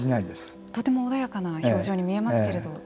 とても穏やかな表情に見えますけど。